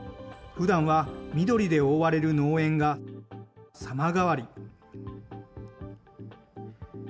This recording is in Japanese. ふだんは緑で覆われる農園が、様変わり。